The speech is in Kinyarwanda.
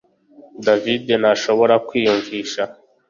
David ntashobora kwiyumvisha